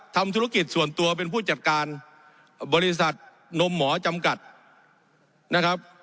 ทำธุรกิจส่วนตัวเป็นผู้จัดการบริษัทนมหมอจำกัดนะครับ